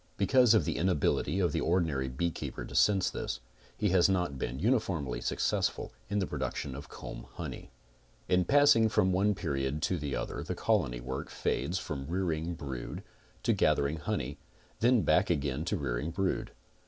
Because of the inability of the ordinary beekeeper to sense this, he has not been uniformly successful in the production of comb honey. In passing from one period to the other the colony work fades from rearing brood to gathering honey, then back again to rearing brood.